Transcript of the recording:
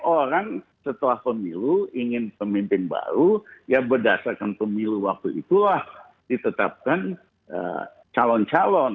orang setelah pemilu ingin pemimpin baru ya berdasarkan pemilu waktu itulah ditetapkan calon calon